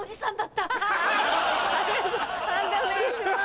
判定お願いします。